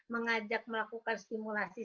mengajak melakukan stimulasi